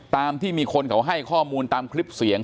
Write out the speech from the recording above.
ตามที่มีคนเขาให้ข้อมูลตามคลิปเสียง